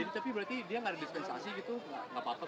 tapi berarti dia nggak ada dispensasi gitu nggak apa apa